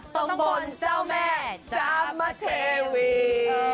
ตรงบนเจ้าแม่จามเทวี